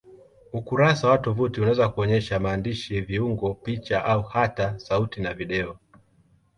Ukurasa wa tovuti unaweza kuonyesha maandishi, viungo, picha au hata sauti na video.